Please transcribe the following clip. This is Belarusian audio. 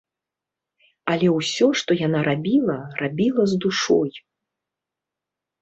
Але ўсё, што яна рабіла, рабіла з душой.